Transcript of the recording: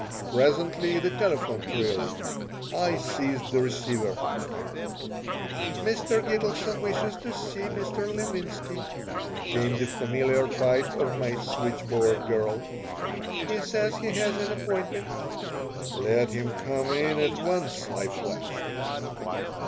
Presently the telephone trilled. I seized the receiver "Mr. Gitelson wishes to see Mr. Levinsky," came the familiar pipe of my switchboard girl. "He says he has an appointment " "Let him come in at once," I flashed.